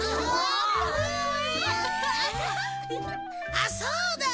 あっそうだ！